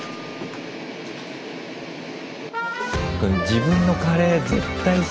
自分のカレー絶対さ